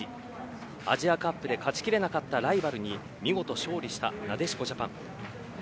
アジアカップで勝ちきれなかったライバルに見事、勝利したなでしこジャパン。